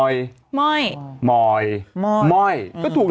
เจมาล